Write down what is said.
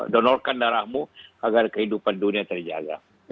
donorkan darahmu agar kehidupan dunia terjaga